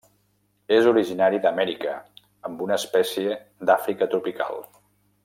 És originari d'Amèrica amb una espècie d'Àfrica tropical.